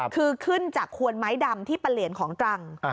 คือขึ้นจากควนไม้ดำที่ปะเหลียนของตรัง